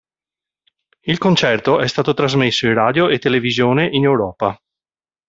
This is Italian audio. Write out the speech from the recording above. Il concerto è stato trasmesso in radio e televisione in Europa.